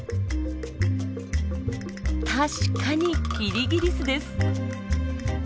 確かにキリギリスです。